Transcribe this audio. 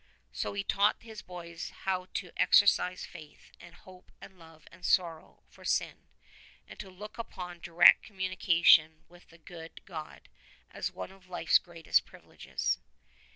So he taught his boys how to exercise faith and hope and love and sorrow for sin, and to look upon . direct communication with the good God as one of lifers greatest privileges.